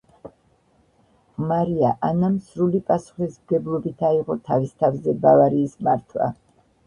მარია ანამ სრული პასუხისმგებლობით აიღო თავის თავზე ბავარიის მართვა.